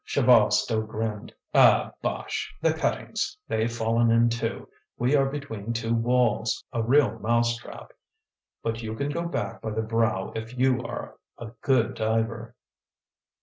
Chaval still grinned. "Ah, bosh! the cuttings! They've fallen in too; we are between two walls, a real mousetrap. But you can go back by the brow if you are a good diver."